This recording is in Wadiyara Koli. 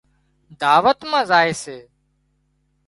دعوت مان زائي سي